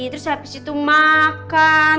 terus habis itu makan